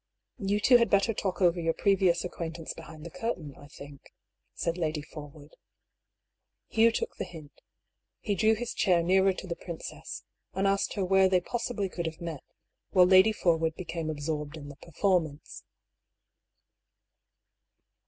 "You two had better talk over your previous ac quaintance behind the curtain, I think," said Lady Forwood. Hugh took the hint. He drew his chair nearer to the princess, and asked her where they possibly could have met, while Lady Forwood became absorbed in the performance.